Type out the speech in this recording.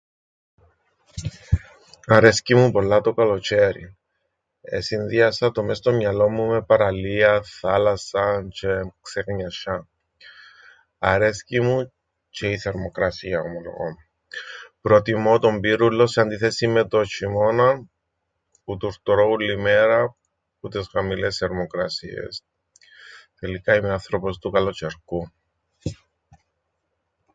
Αρέσκει μου πολλά το καλοτζ̆αίριν. Εσυνδύασα το μες στο μυαλόν μου με παραλίαν, θάλασσαν τζ̆αι ξεγνοιασ̆ιάν. Αρέσκει μου τζ̆αι η θερμοκρασία, ομολογώ. Προτιμώ τον πύρουλλον σε αντίθεσην με τον σ̆ειμώναν που τουρτουρώ ούλλη μέρα που τες χαμηλές θερμοκρασίες. Τελικά είμαι άνθρωπος του καλοτζ̆αιρκού.